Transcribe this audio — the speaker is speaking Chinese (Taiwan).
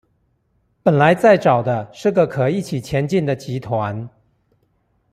本來在找的是個可以一起前進的集團